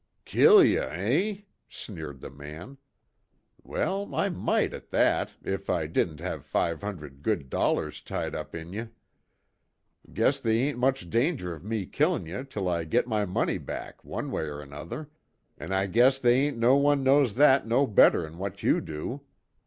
"Kill ye, eh?" sneered the man, "Well, I might, at that, if I didn't have five hundred good dollars tied up in ye. Guess they ain't much danger of me killin' ye till I get my money back, one way er another an' I guess they ain't no one knows that no better'n what you do.